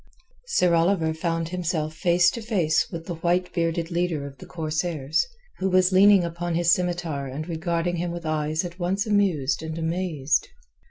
Sir Oliver found himself face to face with the white bearded leader of the corsairs, who was leaning upon his scimitar and regarding him with eyes at once amused and amazed.